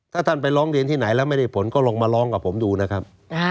ถ้าท่านไปร้องเรียนที่ไหนแล้วไม่ได้ผลก็ลองมาร้องกับผมดูนะครับ